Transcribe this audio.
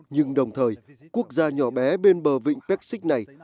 nhưng đồng thời quốc gia nhỏ bé bên bờ vịnh pek sik này